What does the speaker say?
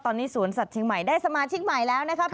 ตอนนี้สวนสัตว์เชียงใหม่ได้สมาชิกใหม่แล้วนะครับ